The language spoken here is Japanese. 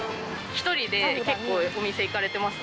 １人で結構、お店行かれてます？